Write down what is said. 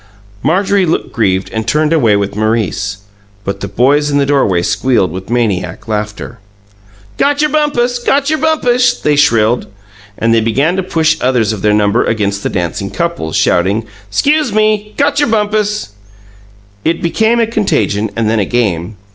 Marjorie looked grieved and turned away with Maurice; but the boys in the doorway squealed with maniac laughter. "Gotcher bumpus! Gotcher bumpus!" they shrilled. And they began to push others of their number against the dancing couples, shouting, "'Scuse me! Gotcher bumpus!" It became a contagion and then a game.